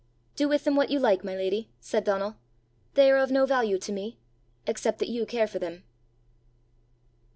"Do with them what you like, my lady," said Donal. "They are of no value to me except that you care for them."